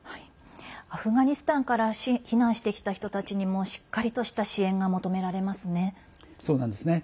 アフガニスタンから避難してきた人たちにもしっかりとした支援が求められますね。